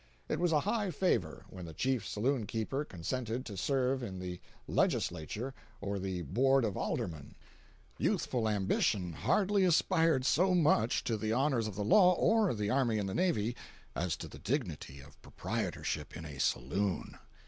It was a high favor when the chief saloon keeper consented to serve in the legislature or the board of aldermen. Youthful ambition hardly aspired so much to the honors of the law, or the army and navy as to the dignity of proprietorship in a saloon.